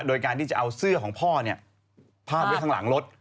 โดยการที่จะเอาเสื้อของพ่อพาดไว้ข้างหลังรถ